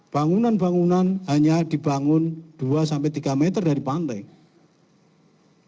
bangunan bangunan hanya dibangun dua sampai tiga meter dari pantai